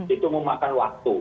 itu memakan waktu